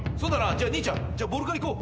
じゃあ兄ちゃんボールからいこう。